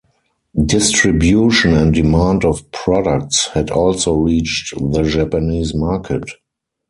Distribution and demand of products had also reached the Japanese market.